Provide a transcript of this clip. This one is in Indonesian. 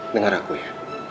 dengar aku ya